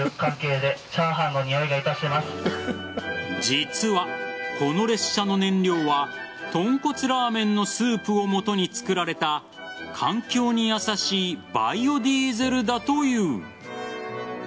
実は、この列車の燃料は豚骨ラーメンのスープをもとに作られた環境に優しいバイオディーゼルだという。